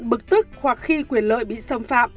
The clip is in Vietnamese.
bực tức hoặc khi quyền lợi bị xâm phạm